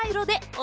お！